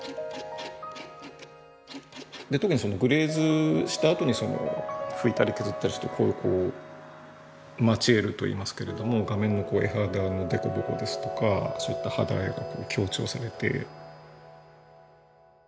特にグレーズしたあとに拭いたり削ったりするとマチエールといいますけれども画面の絵肌の凸凹ですとかそういった肌合いが強調されて。